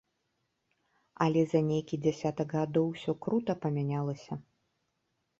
Але за нейкі дзясятак гадоў усё крута памянялася.